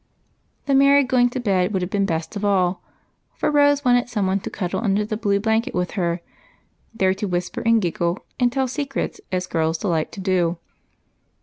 The merry going to bed would have been best of all, for Rose wanted some one to cuddle under the blue blanket with her, there to whisper and giggle and tell secrets, as girls delight to do.